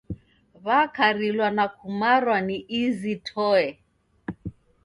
Wakarilwa na kumarwa ni izi toe.